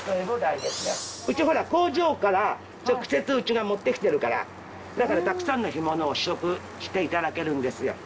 うちほら工場から直接うちが持ってきてるからだからたくさんの干物を試食していただけるんですよ。